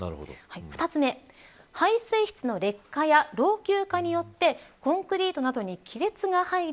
２つ目排水室の劣化や老朽化によってコンクリートなどに亀裂が入り